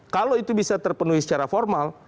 kalau itu bisa terpenuhi secara formal